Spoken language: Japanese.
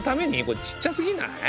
これちっちゃすぎない？